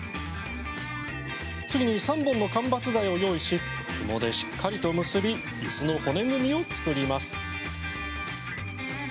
次に３本の間伐材を用意しひもでしっかりと結びいすの骨組みを作ります。